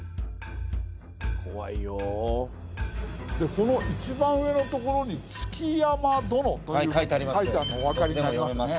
この一番上のところに築山殿というふうに書いてあるのお分かりになりますね。